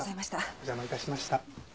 お邪魔致しました。